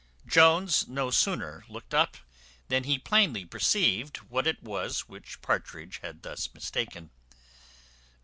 Jones no sooner looked up, than he plainly perceived what it was which Partridge had thus mistaken.